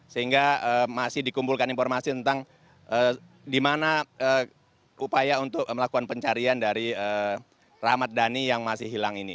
sehingga masih dikumpulkan informasi tentang di mana upaya untuk melakukan pencarian dari rahmat dhani yang masih hilang ini